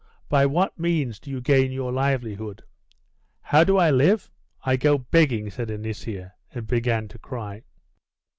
"By what means do you gain your livelihood?" "How do I live? I go begging," said Anisia, and began to cry.